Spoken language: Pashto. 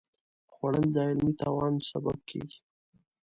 خوړل د علمي توان سبب کېږي